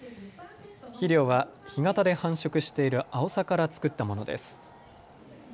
肥料は干潟で繁殖しているアオサから作ったものです。